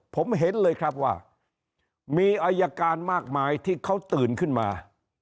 ผมเห็นเลยครับว่ามีอายการมากมายที่เขาตื่นขึ้นมา